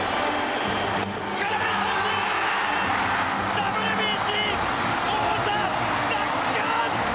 ＷＢＣ、王座奪還！